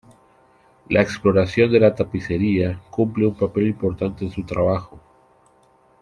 La exploración de la tapicería cumple un papel importante en su trabajo.